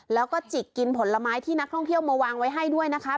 แล้วก็จิกกินผลไม้ที่นักท่องเที่ยวมาวางไว้ให้ด้วยนะคะ